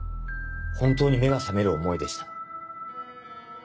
本当に目が覚める思いでした。